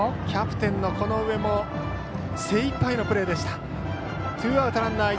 キャプテンの此上も精いっぱいのプレーでした。